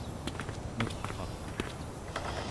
nurr'aq